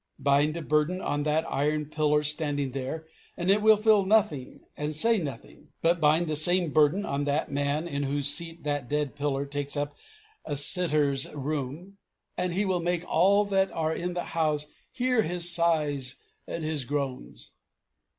Bind a burden on that iron pillar standing there, and it will feel nothing and say nothing. But, bind the same burden on that man in whose seat that dead pillar takes up a sitter's room, and he will make all that are in the house hear his sighs and his groans.